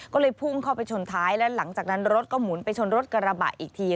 ก็เลยพุ่งเข้าไปชนท้ายและหลังจากนั้นรถก็หมุนไปชนรถกระบะอีกที